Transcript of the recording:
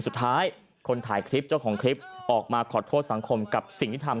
สุดท้ายคนถ่ายคลิปเจ้าของคลิปออกมาขอโทษสังคมกับสิ่งที่ทำ